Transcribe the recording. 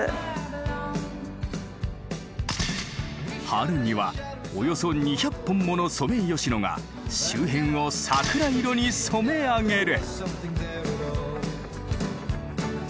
春にはおよそ２００本ものソメイヨシノが周辺を桜色に染め上げる。